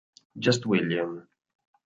Just William